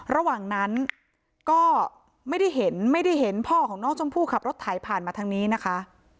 ระหว่างนั้นก็ไม่ได้เห็นไม่ได้เห็นพ่อของน้องชมพู่ขับรถไถผ่านมาทางนี้นะคะ